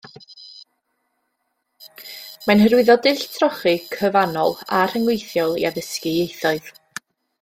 Mae'n hyrwyddo dull trochi, cyfannol a rhyngweithiol i addysgu ieithoedd.